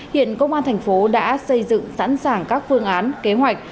hiện công an thành phố đã xây dựng sẵn sàng các phương án kế hoạch